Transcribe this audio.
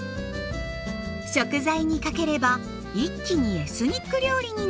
食材にかければ一気にエスニック料理になります。